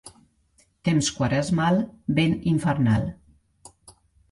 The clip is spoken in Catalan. Temps quaresmal, vent infernal.